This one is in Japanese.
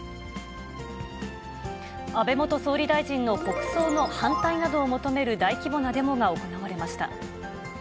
安倍元総理大臣の国葬の反対などを求める大規模なデモが行われました。